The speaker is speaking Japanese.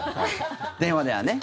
電話ではね。